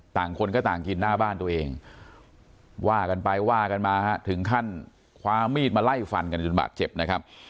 คนก็ต่างกินหน้าบ้านตัวเองว่ากันไปว่ากันมาถึงขั้นคว้ามีดมาไล่ฟันกันจนบาดเจ็บนะครับ